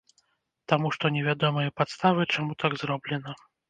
Таму што невядомыя падставы, чаму так зроблена.